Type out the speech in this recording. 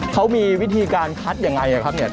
เขามีวิธีการคัดอย่างไรครับ